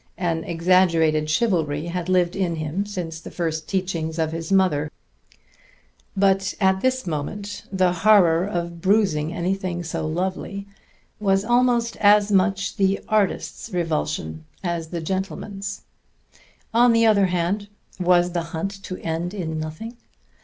An exaggerated chivalry had lived in him since the first teachings of his mother; but at this moment the horror of bruising anything so lovely was almost as much the artist's revulsion as the gentleman's. On the other hand, was the hunt to end in nothing?